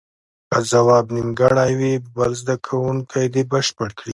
که ځواب نیمګړی وي بل زده کوونکی دې بشپړ کړي.